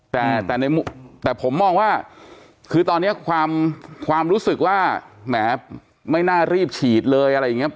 แต่ผมมองว่าคือตอนนี้ความรู้สึกว่าแหมไม่น่ารีบฉีดเลยอะไรอย่างนี้